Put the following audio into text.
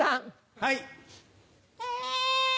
はい。